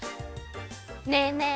ねえねえ